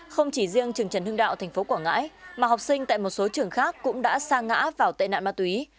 không chỉ riêng trường trần hưng đạo tp quảng ngãi mà học sinh tại một số trường khác cũng đã sa ngã vào tệ nạn ma túy